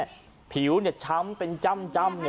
แผนแม่ตีก้นแม่ผิวเนี่ยช้ำเป็นจ้ำเนี่ย